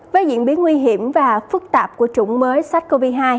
với diễn biến nguy hiểm và phức tạp của chủng mới sars cov hai